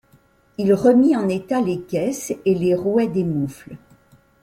Il remit en état les caisses et les rouets des moufles.